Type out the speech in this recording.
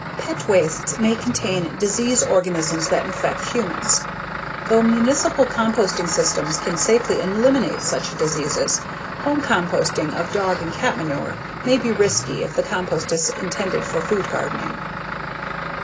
_ __Pet wastes_ may contain disease organisms that infect humans. Though municipal composting systems can safely eliminate such diseases, home composting of dog and cat manure may be risky if the compost is intended for food gardening.